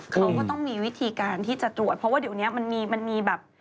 เขาก็ต้องมีวิธีการที่จะตรวจเพราะว่าเดี๋ยวนี้มันมีมันมีแบบ